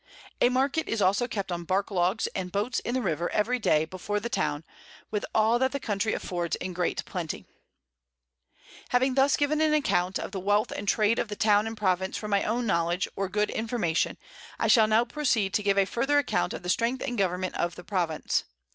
A Market is also kept on Bark Logs and Boats in the River every day before the Town, with all that the Country affords in great plenty. Having thus given an account of the Wealth and Trade of the Town and Province from my own Knowledge, or good Information, I shall now proceed to give a further Account of the Strength and Government of the Province.